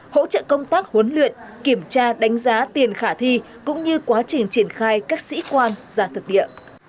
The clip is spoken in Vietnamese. hỗ trợ công tác huấn luyện kiểm tra đánh giá tiền khả thi cũng như quá trình triển khai các sĩ quan ra thực địa